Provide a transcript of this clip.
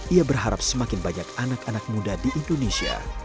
ia berharap semakin banyak anak anak muda di indonesia